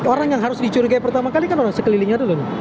orang yang harus dicurigai pertama kali kan orang sekelilingnya dulu